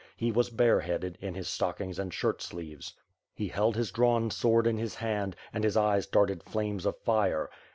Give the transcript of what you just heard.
He was bareheaded, in his stockings and shirtsleeves. He held his drawn sword in his hand, and his eyes darted flames of fire.